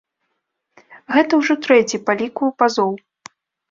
Гэта ўжо трэці па ліку пазоў.